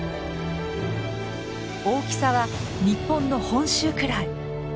大きさは日本の本州くらい。